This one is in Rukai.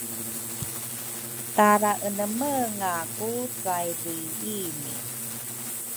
Tara enemenga ku caili ini